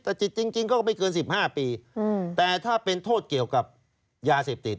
แต่จิตจริงก็ไม่เกิน๑๕ปีแต่ถ้าเป็นโทษเกี่ยวกับยาเสพติด